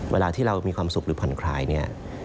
เวลาที่เรามีความสุขหรือผ่อนคลายเนี่ย